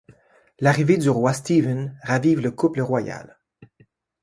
L'arrivée du roi Stephen ravive le couple royal.